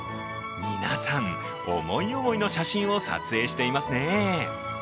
皆さん、思い思いの写真を撮影していますね。